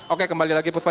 oke kembali lagi puspa